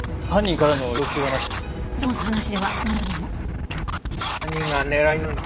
犯人からの要求はないんですか？